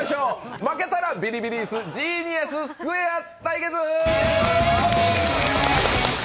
負けたらビリビリ椅子、「ジーニアススクエア」対決！